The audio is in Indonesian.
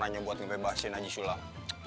ternyata gue mau bebasin haji sulam